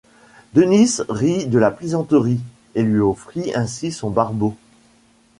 Denys rit de la plaisanterie et lui offrit ainsi son barbeau.